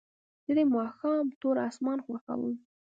زه د ماښام تور اسمان خوښوم.